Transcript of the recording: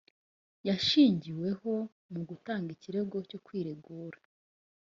yashingiweho mu gutanga ikirego cyo kwiregura